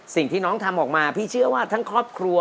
สิ่งที่น้องทำออกมาพี่เชื่อว่าทั้งครอบครัว